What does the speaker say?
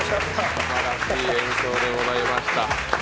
すばらしい演奏でございました。